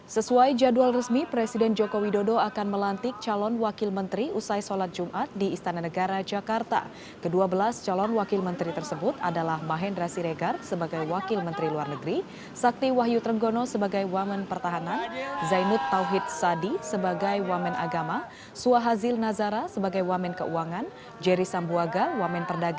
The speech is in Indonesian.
sesuai jadwal resmi presiden joko widodo akan melantik calon wakil menteri usai sholat jumat di istana negara jakarta